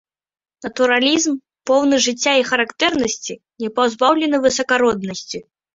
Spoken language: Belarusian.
Натуралізм, поўны жыцця і характэрнасці, не пазбаўлены высакароднасці.